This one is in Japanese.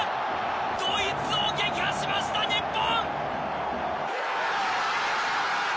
ドイツを撃破しました、日本。